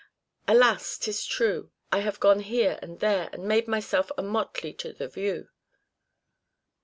" Alas, 'tis true, I have gone here and there, And made myself a motley to the view."